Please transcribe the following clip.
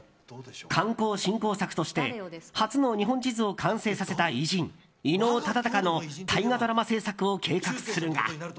観光振興策として初の日本地図を完成させた偉人・伊能忠敬の大河ドラマ制作を計画するが。